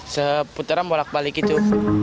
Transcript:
seputaran bolak balik gitu